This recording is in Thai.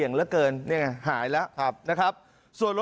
สัปดาห์เนี่ยยังเล่าอีกนะครับว่า